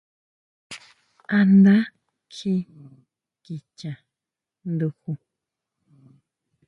¿A nda kjí kicha nduju?